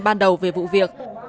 ban đầu về vụ việc